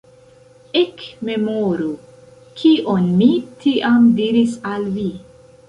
Ekmemoru, kion mi tiam diris al vi!